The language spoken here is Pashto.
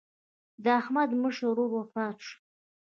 د احمد مشر ورور وفات شو.